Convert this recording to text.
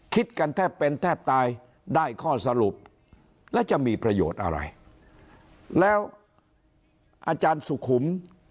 คิดกันแทบเป็นแทบตายได้ข้อสรุปแล้วจะมีประโยชน์อะไรแล้วอาจารย์สุขุม